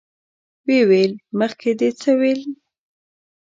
ويې ويل: مخکې دې څه ويل؟